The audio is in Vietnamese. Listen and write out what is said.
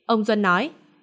ông duân nói